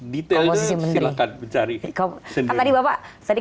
detailnya silahkan mencari